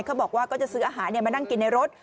บอกว่าก็จะซื้ออาหารมานั่งกินในรถ